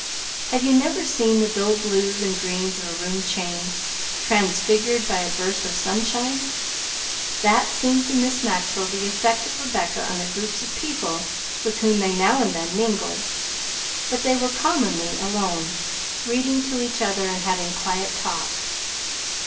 Have you never seen the dull blues and greens of a room changed, transfigured by a burst of sunshine? That seemed to Miss Maxwell the effect of Rebecca on the groups of people with whom they now and then mingled; but they were commonly alone, reading to each other and having quiet talks.